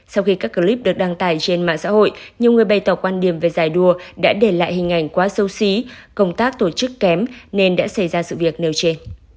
sau khi các clip được đăng tải trên mạng xã hội nhiều người bày tỏ quan điểm về giải đua đã để lại hình ảnh quá sâu xí công tác tổ chức kém nên đã xảy ra sự việc nêu trên